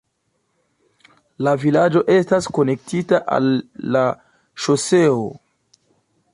La vilaĝo estas konektita al la ŝoseo.